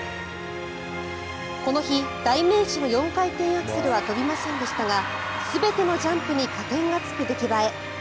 この日は代名詞の４回転アクセルは跳びませんでしたが全てのジャンプに加点がつく出来栄え。